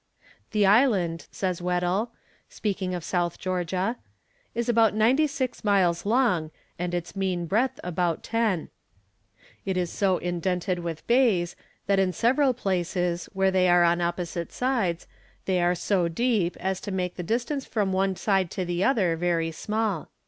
"The island," says Weddell, speaking of South Georgia, "is about ninety six miles long, and its mean breadth about ten. It is so indented with bays, that in several places, where they are on opposite sides, they are so deep as to make the distance from one side to the other very small.